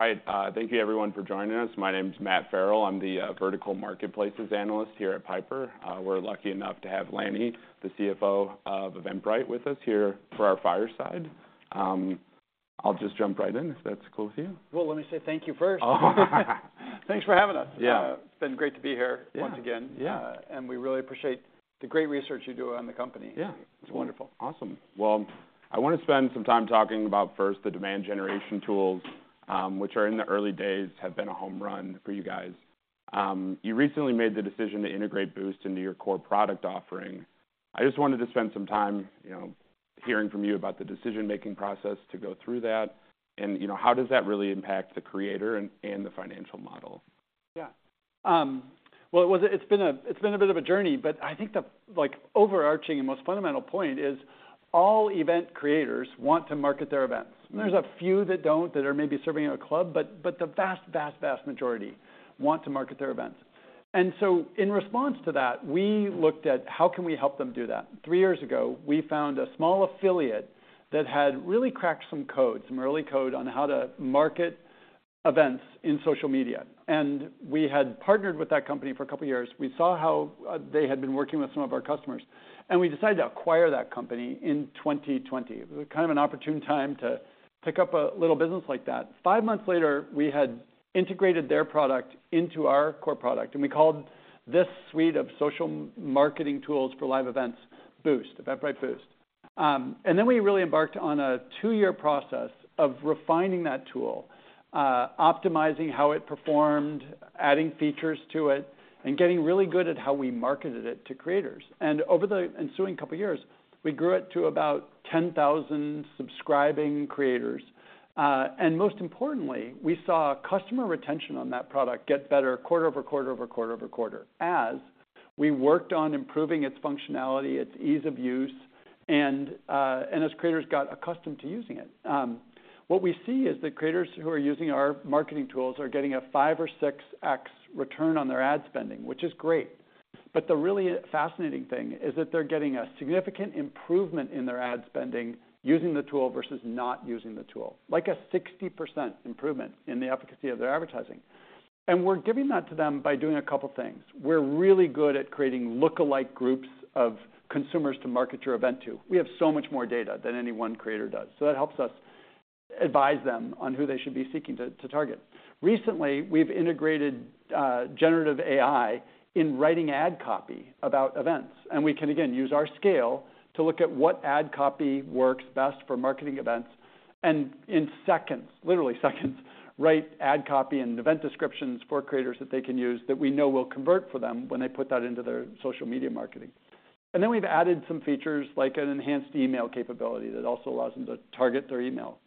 All right, thank you everyone for joining us. My name's Matt Farrell. I'm the vertical marketplaces analyst here at Piper. We're lucky enough to have Lanny, the CFO of Eventbrite, with us here for our fireside. I'll just jump right in, if that's cool with you. Well, let me say thank you first. Thanks for having us. Yeah. It's been great to be here- Yeah -once again. Yeah. We really appreciate the great research you do on the company. Yeah. It's wonderful. Awesome. Well, I want to spend some time talking about, first, the demand generation tools, which are in the early days, have been a home run for you guys. You recently made the decision to integrate Boost into your core product offering. I just wanted to spend some time, you know, hearing from you about the decision-making process to go through that, and, you know, how does that really impact the creator and the financial model? Yeah. Well, it's been a bit of a journey, but I think the, like, overarching and most fundamental point is all event creators want to market their events. Mm. There's a few that don't, that are maybe serving in a club, but the vast, vast, vast majority want to market their events. So in response to that, we looked at how can we help them do that? Three years ago, we found a small affiliate that had really cracked some codes, some early code on how to market events in social media. We had partnered with that company for a couple of years. We saw how they had been working with some of our customers, and we decided to acquire that company in 2020. It was kind of an opportune time to pick up a little business like that. Five months later, we had integrated their product into our core product, and we called this suite of social marketing tools for live events Boost, Eventbrite Boost. And then we really embarked on a two year process of refining that tool, optimizing how it performed, adding features to it, and getting really good at how we marketed it to creators. And over the ensuing couple of years, we grew it to about 10,000 subscribing creators. And most importantly, we saw customer retention on that product get better quarter-over-quarter, quarter-over-quarter, as we worked on improving its functionality, its ease of use, and as creators got accustomed to using it. What we see is that creators who are using our marketing tools are getting a 5 or 6x return on their ad spending, which is great. But the really fascinating thing is that they're getting a significant improvement in their ad spending using the tool versus not using the tool, like a 60% improvement in the efficacy of their advertising. And we're giving that to them by doing a couple things. We're really good at creating lookalike groups of consumers to market your event to. We have so much more data than any one creator does, so that helps us advise them on who they should be seeking to, to target. Recently, we've integrated generative AI in writing ad copy about events, and we can again use our scale to look at what ad copy works best for marketing events, and in seconds, literally seconds, write ad copy and event descriptions for creators that they can use that we know will convert for them when they put that into their social media marketing. And then we've added some features, like an enhanced email capability, that also allows them to target their email.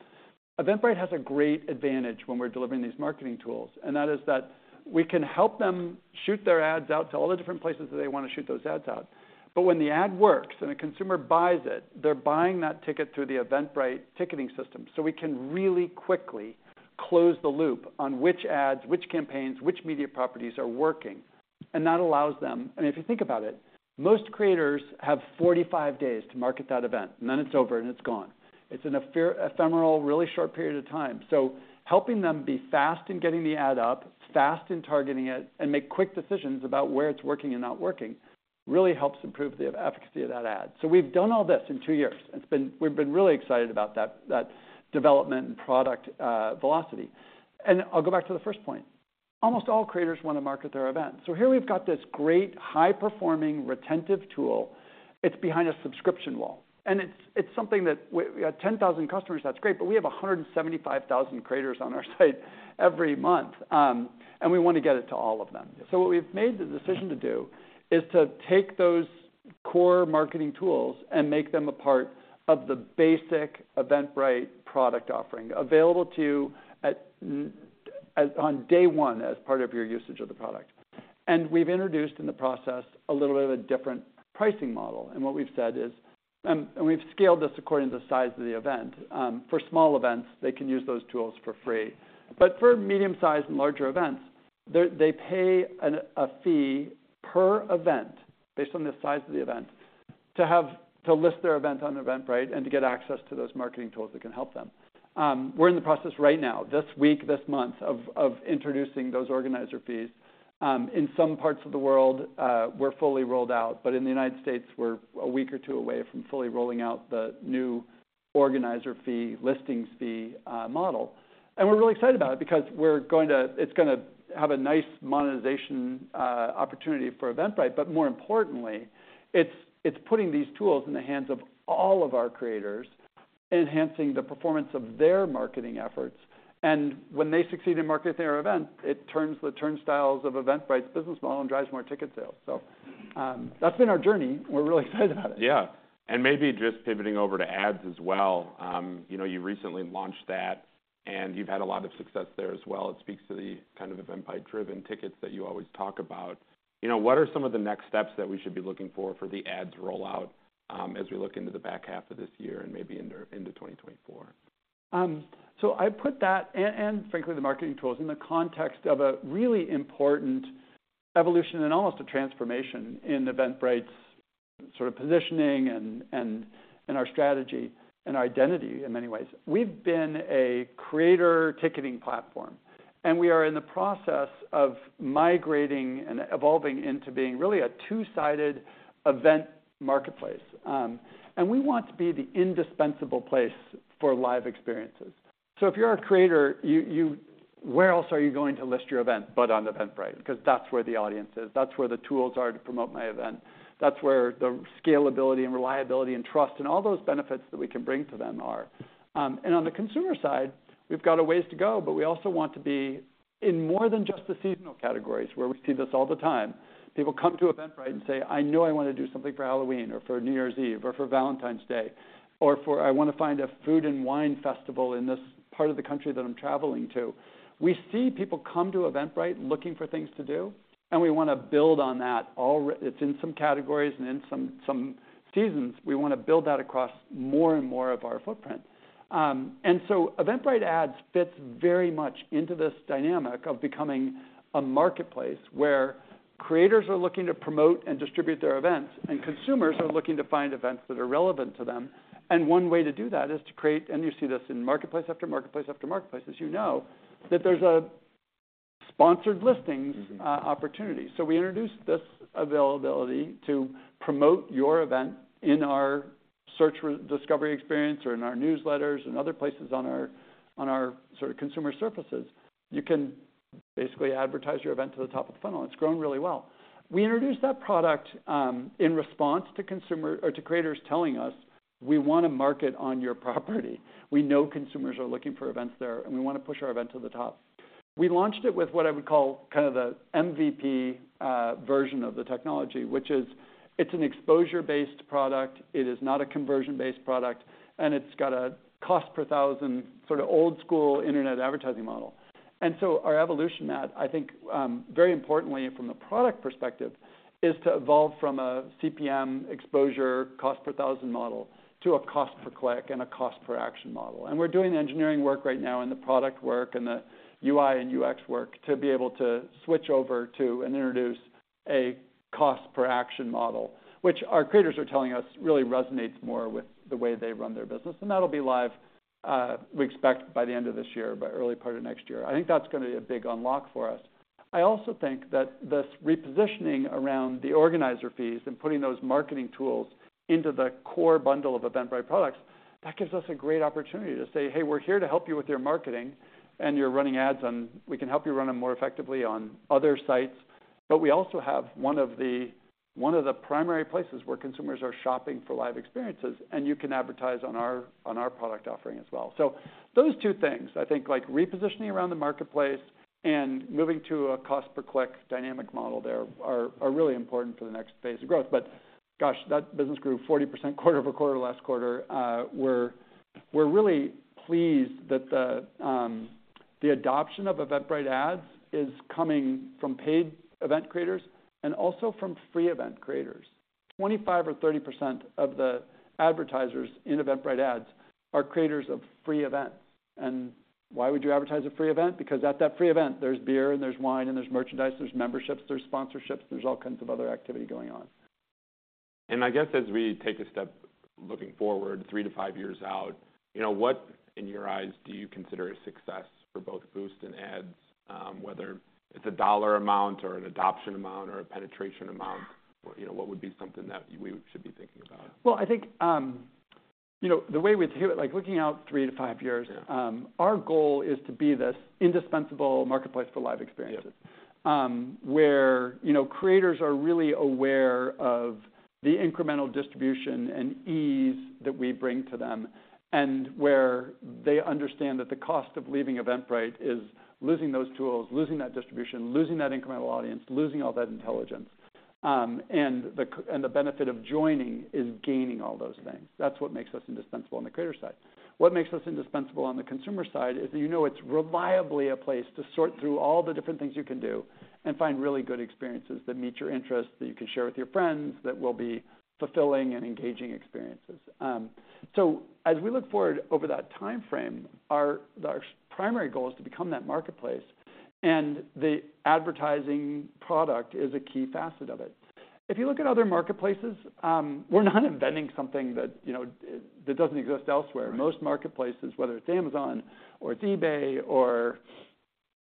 Eventbrite has a great advantage when we're delivering these marketing tools, and that is that we can help them shoot their ads out to all the different places that they want to shoot those ads out. But when the ad works and a consumer buys it, they're buying that ticket through the Eventbrite ticketing system, so we can really quickly close the loop on which ads, which campaigns, which media properties are working. And that allows them... And if you think about it, most creators have 45 days to market that event, and then it's over and it's gone. It's an ephemeral, really short period of time. So helping them be fast in getting the ad up, fast in targeting it, and make quick decisions about where it's working and not working, really helps improve the efficacy of that ad. So we've done all this in two years. We've been really excited about that development and product velocity. And I'll go back to the first point. Almost all creators want to market their event. So here we've got this great, high-performing, retentive tool. It's behind a subscription wall, and it's something that we have 10,000 customers, that's great, but we have 175,000 creators on our site every month, and we want to get it to all of them. So what we've made the decision to do is to take those core marketing tools and make them a part of the basic Eventbrite product offering, available to you at, as on day one as part of your usage of the product. And we've introduced in the process a little bit of a different pricing model. And what we've said is, and we've scaled this according to the size of the event. For small events, they can use those tools for free. But for medium-sized and larger events, they pay a fee per event, based on the size of the event, to have to list their event on Eventbrite and to get access to those marketing tools that can help them. We're in the process right now, this week, this month, of introducing those organizer fees. In some parts of the world, we're fully rolled out, but in the United States, we're a week or two away from fully rolling out the new organizer fee, listings fee, model. And we're really excited about it because we're going to- it's gonna have a nice monetization opportunity for Eventbrite, but more importantly, it's putting these tools in the hands of all of our creators, enhancing the performance of their marketing efforts. And when they succeed in marketing their event, it turns the turnstiles of Eventbrite's business model and drives more ticket sales. So, that's been our journey. We're really excited about it. Yeah, and maybe just pivoting over to ads as well. You know, you recently launched that, and you've had a lot of success there as well. It speaks to the kind of Eventbrite-driven tickets that you always talk about. You know, what are some of the next steps that we should be looking for for the ads rollout, as we look into the back half of this year and maybe into 2024? So I put that, and frankly, the marketing tools, in the context of a really important evolution and almost a transformation in Eventbrite's sort of positioning and our strategy and identity in many ways. We've been a creator ticketing platform, and we are in the process of migrating and evolving into being really a two-sided event marketplace. And we want to be the indispensable place for live experiences. So if you're a creator, you where else are you going to list your event but on Eventbrite? Because that's where the audience is, that's where the tools are to promote my event. That's where the scalability and reliability and trust, and all those benefits that we can bring to them are. And on the consumer side, we've got a ways to go, but we also want to be in more than just the seasonal categories, where we see this all the time. People come to Eventbrite and say: I know I want to do something for Halloween, or for New Year's Eve, or for Valentine's Day, or for, I want to find a food and wine festival in this part of the country that I'm traveling to. We see people come to Eventbrite looking for things to do, and we want to build on that already it's in some categories and in some, some seasons. We want to build that across more and more of our footprint. And so Eventbrite Ads fits very much into this dynamic of becoming a marketplace, where creators are looking to promote and distribute their events, and consumers are looking to find events that are relevant to them. One way to do that is. You see this in marketplace after marketplace, after marketplace, as you know, that there's a sponsored listings opportunity. So we introduced this availability to promote your event in our search and discovery experience or in our newsletters and other places on our sort of consumer surfaces. You can basically advertise your event to the top of the funnel. It's grown really well. We introduced that product in response to creators telling us, "We want to market on your property. We know consumers are looking for events there, and we want to push our event to the top." We launched it with what I would call kind of the MVP version of the technology, which is it's an exposure-based product, it is not a conversion-based product, and it's got a cost per thousand sort of old school internet advertising model. And so our evolution at, I think, very importantly from a product perspective, is to evolve from a CPM exposure cost per thousand model to a cost per click and a cost per action model. And we're doing the engineering work right now, and the product work, and the UI and UX work to be able to switch over to and introduce a cost per action model, which our creators are telling us really resonates more with the way they run their business. That'll be live. We expect by the end of this year, but early part of next year. I think that's going to be a big unlock for us. I also think that this repositioning around the organizer fees and putting those marketing tools into the core bundle of Eventbrite products, that gives us a great opportunity to say, "Hey, we're here to help you with your marketing, and you're running ads, and we can help you run them more effectively on other sites. But we also have one of the, one of the primary places where consumers are shopping for live experiences, and you can advertise on our, on our product offering as well." So those two things, I think, like repositioning around the marketplace and moving to a cost per click dynamic model there, are really important for the next phase of growth. But gosh, that business grew 40% quarter-over-quarter last quarter. We're really pleased that the adoption of Eventbrite Ads is coming from paid event creators and also from free event creators. 25% or 30% of the advertisers in Eventbrite Ads are creators of free events. And why would you advertise a free event? Because at that free event, there's beer, and there's wine, and there's merchandise, there's memberships, there's sponsorships, there's all kinds of other activity going on. I guess as we take a step looking forward three-five years out, you know, what in your eyes do you consider a success for both Boost and Ads? Whether it's a dollar amount or an adoption amount or a penetration amount, you know, what would be something that we should be thinking about? Well, I think, you know, the way we do it, like, looking out three-five years- Yeah. Our goal is to be this indispensable marketplace for live experiences. Yeah. Where, you know, creators are really aware of the incremental distribution and ease that we bring to them, and where they understand that the cost of leaving Eventbrite is losing those tools, losing that distribution, losing that incremental audience, losing all that intelligence. And the benefit of joining is gaining all those things. That's what makes us indispensable on the creator side. What makes us indispensable on the consumer side is, you know, it's reliably a place to sort through all the different things you can do and find really good experiences that meet your interests, that you can share with your friends, that will be fulfilling and engaging experiences. So as we look forward over that time frame, the primary goal is to become that marketplace, and the advertising product is a key facet of it. If you look at other marketplaces, we're not inventing something that, you know, that doesn't exist elsewhere. Right. Most marketplaces, whether it's Amazon or it's eBay or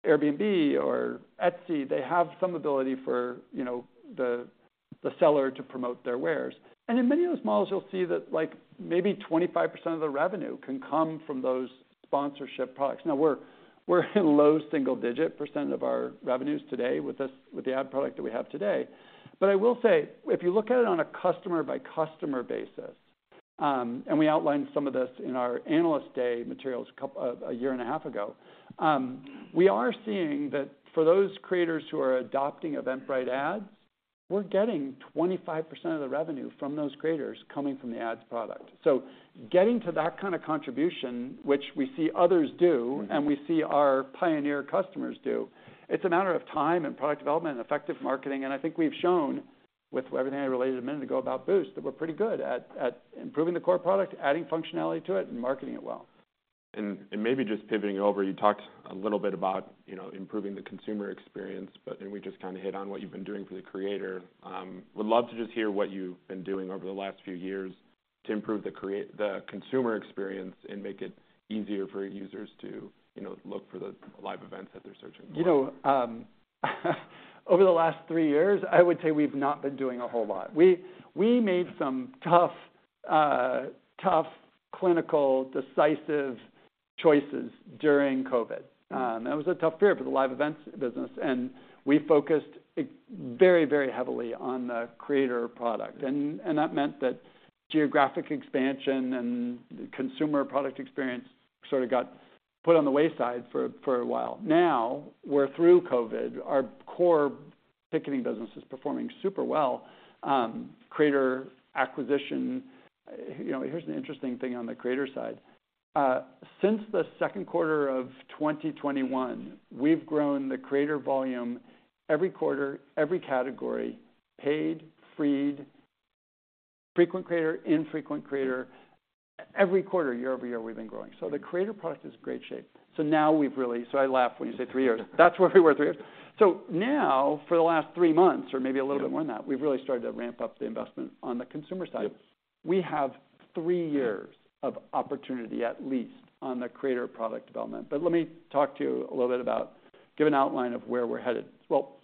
Airbnb or Etsy, they have some ability for, you know, the seller to promote their wares. And in many of those models, you'll see that, like, maybe 25% of the revenue can come from those sponsorship products. Now, we're in low single-digit % of our revenues today with the ad product that we have today. But I will say, if you look at it on a customer-by-customer basis, and we outlined some of this in our Analyst Day materials a year and a half ago, we are seeing that for those creators who are adopting Eventbrite Ads, we're getting 25% of the revenue from those creators coming from the ads product. So getting to that kind of contribution, which we see others do- Mm-hmm. And we see our pioneer customers do, it's a matter of time, and product development, and effective marketing. And I think we've shown with everything I related a minute ago about Boost, that we're pretty good at, at improving the core product, adding functionality to it, and marketing it well.... and maybe just pivoting over, you talked a little bit about, you know, improving the consumer experience, but then we just kinda hit on what you've been doing for the creator. Would love to just hear what you've been doing over the last few years to improve the consumer experience and make it easier for users to, you know, look for the live events that they're searching for. You know, over the last three years, I would say we've not been doing a whole lot. We made some tough, tough, clinical, decisive choices during COVID. That was a tough period for the live events business, and we focused very, very heavily on the creator product. And that meant that geographic expansion and consumer product experience sort of got put on the wayside for a while. Now, we're through COVID. Our core ticketing business is performing super well. Creator acquisition, you know, here's an interesting thing on the creator side: since the second quarter of 2021, we've grown the creator volume every quarter, every category, paid, free, frequent creator, infrequent creator. Every quarter, year-over-year, we've been growing. So the creator product is in great shape. So now we've really... So I laugh when you say three years. That's where we were three years. So now, for the last three months, or maybe a little bit more than that- Yeah... we've really started to ramp up the investment on the consumer side. Yep. We have three years of opportunity, at least, on the creator product development. But let me talk to you a little bit about, give an outline of where we're headed. Well,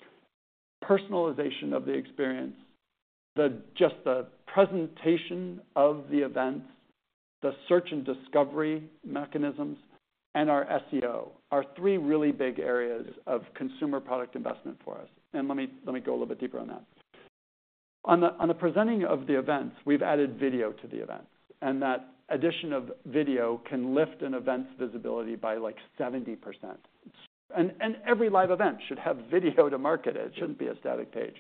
personalization of the experience, the, just the presentation of the events, the search and discovery mechanisms, and our SEO are three really big areas of consumer product investment for us. And let me, let me go a little bit deeper on that. On the, on the presenting of the events, we've added video to the events, and that addition of video can lift an event's visibility by, like, 70%. And, and every live event should have video to market it. It shouldn't be a static page.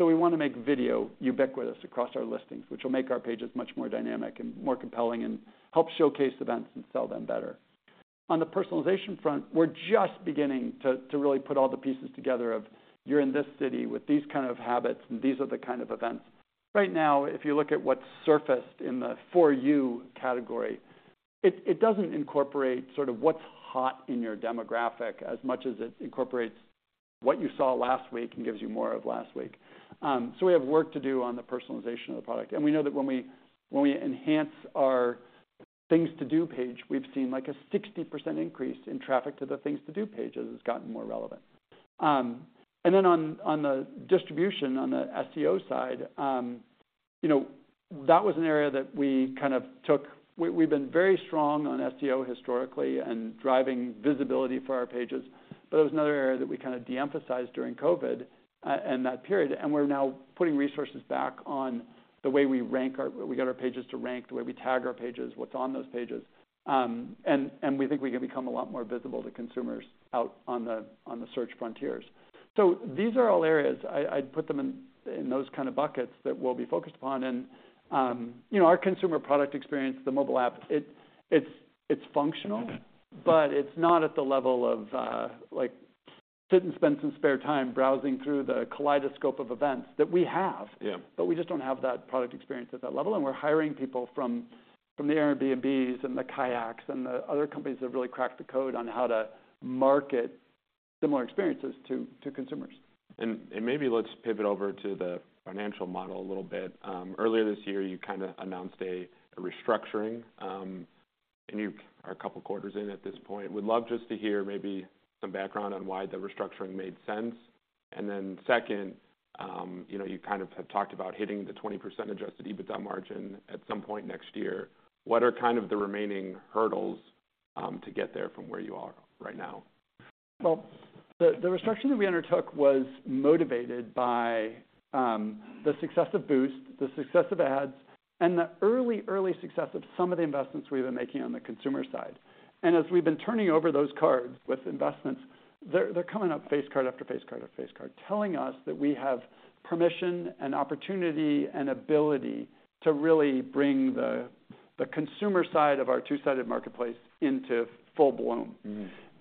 So we wanna make video ubiquitous across our listings, which will make our pages much more dynamic and more compelling and help showcase events and sell them better. On the personalization front, we're just beginning to really put all the pieces together of you're in this city with these kind of habits, and these are the kind of events. Right now, if you look at what's surfaced in the For You category, it doesn't incorporate sort of what's hot in your demographic as much as it incorporates what you saw last week and gives you more of last week. So we have work to do on the personalization of the product, and we know that when we enhance our Things to Do page, we've seen, like, a 60% increase in traffic to the Things to Do page as it's gotten more relevant. And then on the distribution, on the SEO side, you know, that was an area that we've been very strong on SEO historically and driving visibility for our pages, but it was another area that we kinda de-emphasized during COVID, and that period, and we're now putting resources back on the way we get our pages to rank, the way we tag our pages, what's on those pages. And we think we can become a lot more visible to consumers out on the search frontiers. So these are all areas, I'd put them in those kinda buckets that we'll be focused upon. And you know, our consumer product experience, the mobile app, it's functional- Mm-hmm... but it's not at the level of, like, sit and spend some spare time browsing through the kaleidoscope of events that we have. Yeah. But we just don't have that product experience at that level, and we're hiring people from the Airbnbs and the Kayaks and the other companies that really cracked the code on how to market similar experiences to consumers. Maybe let's pivot over to the financial model a little bit. Earlier this year, you kinda announced a restructuring, and you are a couple quarters in at this point. Would love just to hear maybe some background on why the restructuring made sense. And then second, you know, you kind of have talked about hitting the 20% Adjusted EBITDA margin at some point next year. What are kind of the remaining hurdles to get there from where you are right now? Well, the restructuring that we undertook was motivated by the success of Boost, the success of Ads, and the early, early success of some of the investments we've been making on the consumer side. And as we've been turning over those cards with investments, they're coming up face card after face card after face card, telling us that we have permission and opportunity and ability to really bring the consumer side of our two-sided marketplace into full bloom.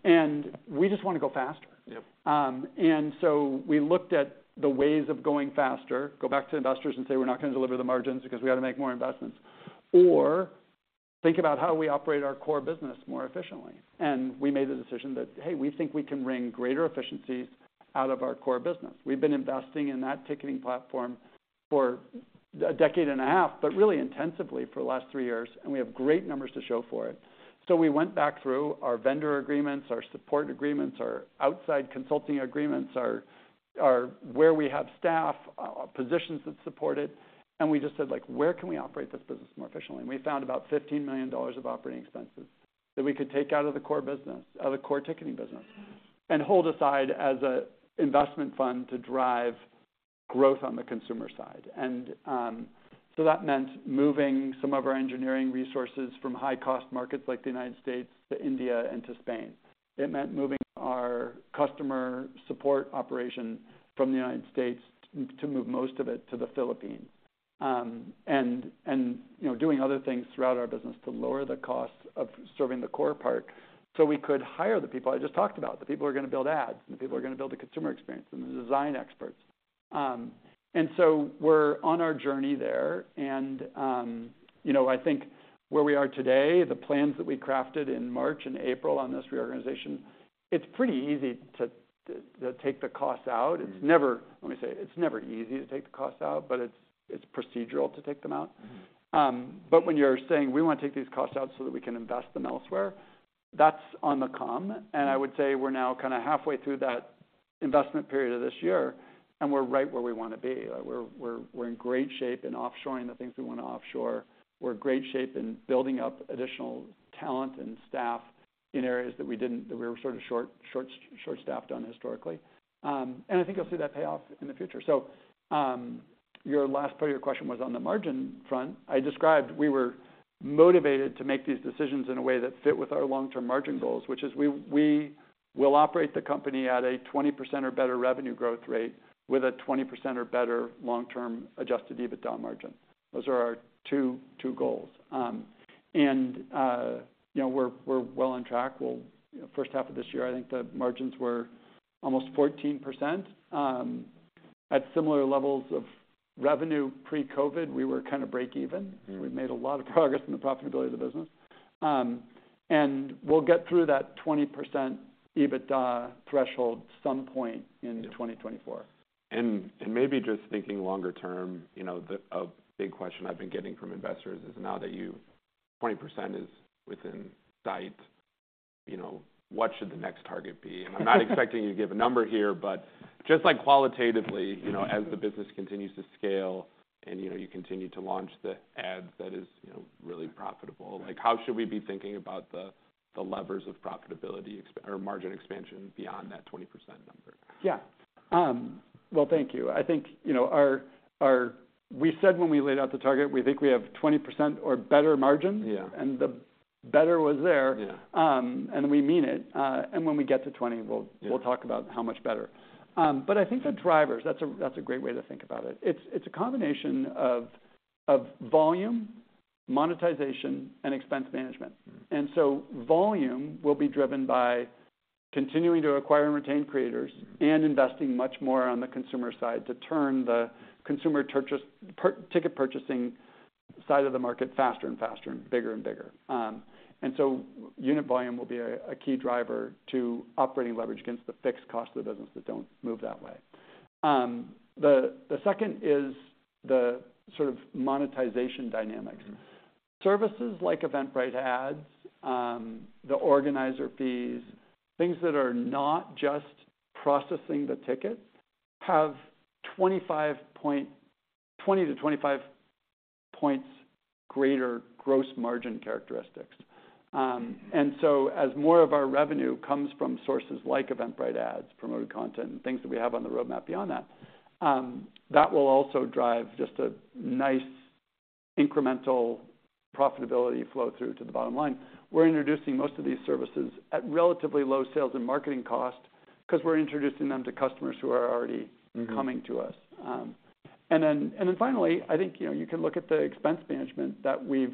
Mm. We just wanna go faster. Yep. So we looked at the ways of going faster, go back to investors and say: We're not gonna deliver the margins because we got to make more investments, or think about how we operate our core business more efficiently. We made the decision that, hey, we think we can wring greater efficiencies out of our core business. We've been investing in that ticketing platform for a decade and a half, but really intensively for the last three years, and we have great numbers to show for it. We went back through our vendor agreements, our support agreements, our outside consulting agreements, where we have staff positions that support it, and we just said, like: Where can we operate this business more efficiently? And we found about $15 million of operating expenses that we could take out of the core business, out of the core ticketing business, and hold aside as a investment fund to drive growth on the consumer side. And, so that meant moving some of our engineering resources from high-cost markets like the United States to India and to Spain. It meant moving our customer support operation from the United States, to move most of it to the Philippines. And, and, you know, doing other things throughout our business to lower the cost of serving the core part. So we could hire the people I just talked about, the people who are going to build ads, and the people who are going to build the consumer experience, and the design experts. And so we're on our journey there. You know, I think where we are today, the plans that we crafted in March and April on this reorganization, it's pretty easy to take the costs out. Mm-hmm. It's never easy to take the costs out, but it's procedural to take them out. Mm-hmm. But when you're saying, "We want to take these costs out so that we can invest them elsewhere," that's on the come, and I would say we're now kind of halfway through that investment period of this year, and we're right where we want to be. We're, we're in great shape in offshoring the things we want to offshore. We're in great shape in building up additional talent and staff in areas that we didn't, that we were sort of short-staffed on historically. And I think you'll see that pay off in the future. So, your last part of your question was on the margin front. I described we were motivated to make these decisions in a way that fit with our long-term margin goals, which is we will operate the company at a 20% or better revenue growth rate with a 20% or better long-term adjusted EBITDA margin. Those are our two goals. And, you know, we're well on track. Well, first half of this year, I think the margins were almost 14%. At similar levels of revenue pre-COVID, we were kind of break even. Mm-hmm. We've made a lot of progress in the profitability of the business. We'll get through that 20% EBITDA threshold some point in 2024. Maybe just thinking longer term, you know, a big question I've been getting from investors is, now that you 20% is within sight, you know, what should the next target be? And I'm not expecting you to give a number here, but just, like, qualitatively, you know, as the business continues to scale and, you know, you continue to launch the ads that is, you know, really profitable, like, how should we be thinking about the levers of profitability expansion or margin expansion beyond that 20% number? Yeah. Well, thank you. I think, you know, our we said when we laid out the target, we think we have 20% or better margin. Yeah. And the better was there. Yeah. We mean it. When we get to 20, we'll- Yeah... we'll talk about how much better. But I think the drivers, that's a great way to think about it. It's a combination of volume, monetization, and expense management. Mm-hmm. And so volume will be driven by continuing to acquire and retain creators and investing much more on the consumer side to turn the consumer per-ticket purchasing side of the market faster and faster and bigger and bigger. And so unit volume will be a key driver to operating leverage against the fixed costs of the business that don't move that way. The second is the sort of monetization dynamics. Mm-hmm. Services like Eventbrite Ads, the organizer fees, things that are not just processing the tickets, have 20-25 points greater gross margin characteristics. And so as more of our revenue comes from sources like Eventbrite Ads, promoted content, and things that we have on the roadmap beyond that, that will also drive just a nice incremental profitability flow through to the bottom line. We're introducing most of these services at relatively low sales and marketing cost because we're introducing them to customers who are already- Mm-hmm... coming to us. And then finally, I think, you know, you can look at the expense management that we've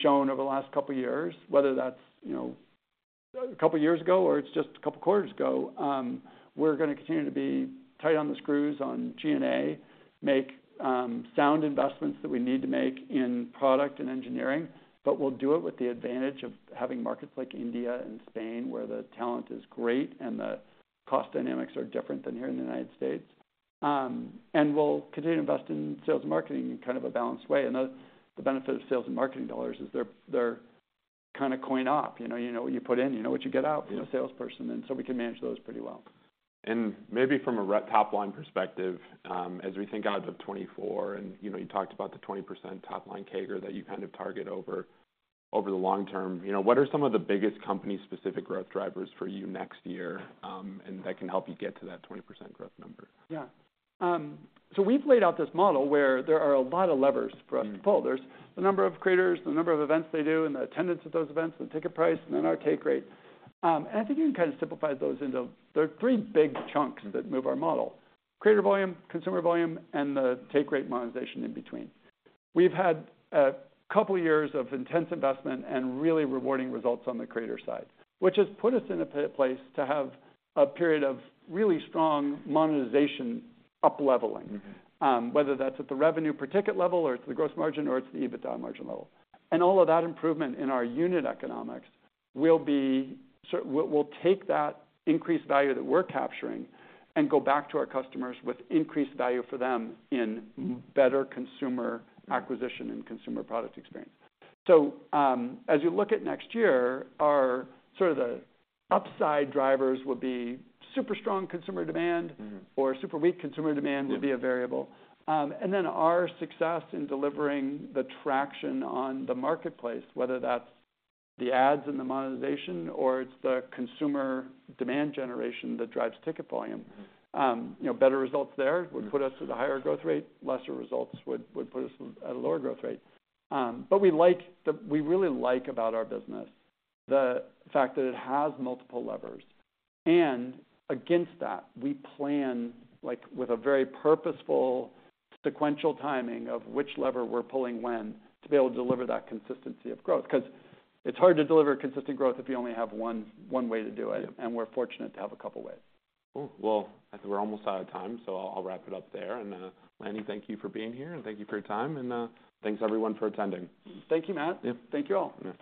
shown over the last couple of years, whether that's, you know, a couple of years ago or it's just a couple of quarters ago. We're gonna continue to be tight on the screws on G&A, make sound investments that we need to make in product and engineering, but we'll do it with the advantage of having markets like India and Spain, where the talent is great and the cost dynamics are different than here in the United States. And we'll continue to invest in sales and marketing in kind of a balanced way. And the benefit of sales and marketing dollars is they're kind of coin-op, you know? You know what you put in, you know what you get out- Mm-hmm... you know, salesperson, and so we can manage those pretty well. Maybe from a top-line perspective, as we think out of 2024, and, you know, you talked about the 20% top-line CAGR that you kind of target over the long term. You know, what are some of the biggest company-specific growth drivers for you next year, and that can help you get to that 20% growth number? Yeah. So we've laid out this model where there are a lot of levers for us to pull. Mm-hmm. There's the number of creators, the number of events they do, and the attendance at those events, the ticket price, and then our take rate. And I think you can kind of simplify those into... There are three big chunks- Mm-hmm... that move our model: creator volume, consumer volume, and the take rate monetization in between. We've had a couple of years of intense investment and really rewarding results on the creator side, which has put us in a place to have a period of really strong monetization upleveling. Mm-hmm. Whether that's at the revenue per ticket level, or it's the gross margin, or it's the EBITDA margin level. All of that improvement in our unit economics will be. We'll take that increased value that we're capturing and go back to our customers with increased value for them in- Mm-hmm... better consumer acquisition and consumer product experience. So, as you look at next year, our sort of the upside drivers will be super strong consumer demand- Mm-hmm... or super weak consumer demand will be a variable. And then our success in delivering the traction on the marketplace, whether that's the ads and the monetization or it's the consumer demand generation that drives ticket volume. Mm-hmm. You know, better results there. Mm-hmm... would put us at a higher growth rate. Lesser results would put us at a lower growth rate. But we like the, we really like about our business, the fact that it has multiple levers, and against that, we plan, like, with a very purposeful, sequential timing of which lever we're pulling when to be able to deliver that consistency of growth. Because it's hard to deliver consistent growth if you only have one way to do it. Yeah. We're fortunate to have a couple ways. Cool. Well, I think we're almost out of time, so I'll, I'll wrap it up there. And, Lanny, thank you for being here, and thank you for your time. And, thanks everyone for attending. Thank you, Matt. Yeah. Thank you, all.